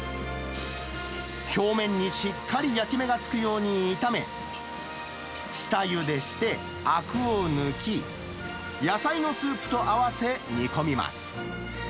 表面にしっかり焼き目がつくように炒め、下ゆでして、あくを抜き、野菜のスープと合わせ、煮込みます。